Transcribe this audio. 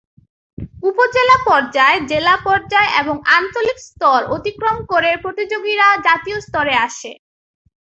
উপজেলা পর্যায়, জেলা পর্যায় এবং আঞ্চলিক স্তর অতিক্রম করে প্রতিযোগীরা জাতীয় স্তরে আসে।